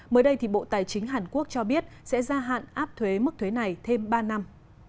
mới đây bộ tài chính hàn quốc cho biết sẽ gia hạn áp thuế mức thuế này thêm ba năm